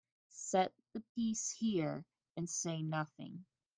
Set the piece here and say nothing.